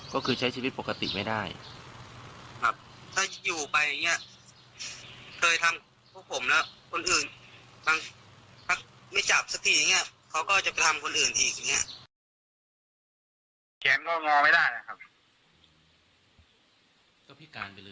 ก็คือใช้ชีวิตปกติไม่ได้